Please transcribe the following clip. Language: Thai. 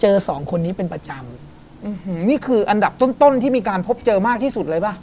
เป็นคนที่เป็นประจำอื้อหือนี่คืออันดับต้นที่มีการพบเจอมากที่สุดเลยป่ะ